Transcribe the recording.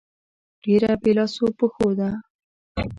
ډېره بې لاسو پښو ده.